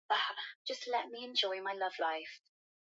dishi wetu wa kigali jonah ubavu anataarifa zaidi